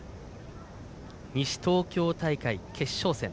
西東京大会決勝戦。